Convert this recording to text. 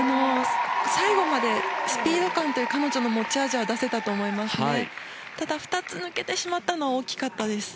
最後までスピード感という彼女の持ち味は出せたと思いますね。